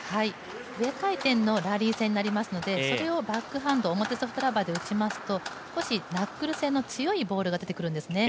上回転のラリー戦になりますのでそれをバックハンド、表ソフトラバーで打ちますと、少しナックル性の強いボールが出てくるんですね。